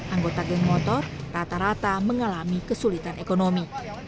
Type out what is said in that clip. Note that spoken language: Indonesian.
anggota geng motor rata rata mengalami kesulitan ekonomi